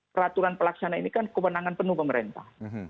peraturan pelaksana ini kan kewenangan penuh pemerintah